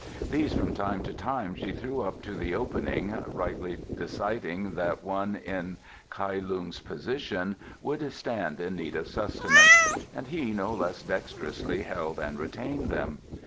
These from time to time she threw up to the opening, rightly deciding that one in Kai Lung's position would stand in need of sustenance, and he no less dexterously held and retained them.